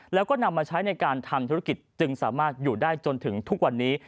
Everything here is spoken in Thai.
แล้วก็นำมาใช้ในการทำธุรกิจจึงสามารถอยู่ได้จนถึงทุกวันนี้